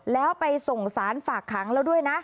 แล้วไปส่งสารฝากขังแล้วด้วยนะ